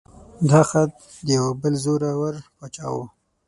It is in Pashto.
دا خط د یو بل زوره ور باچا و.